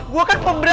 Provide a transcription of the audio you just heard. gua kan pemberani